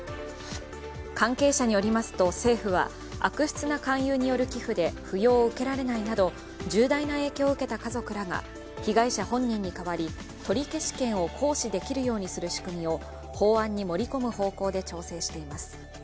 関係者によりますと、政府は悪質な勧誘による寄付扶養を受けられないなど重大な影響を受けた家族らが被害者本人に代わり、取り消し権を行使できるようにする仕組みを法案に盛り込む方向で調整しています。